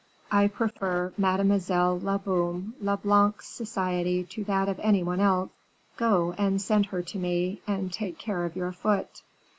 I prefer Mademoiselle la Baume le Blanc's society to that of any one else. Go, and send her to me, and take care of your foot."